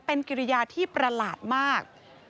เป็นกิริยาที่ประหลาดมาก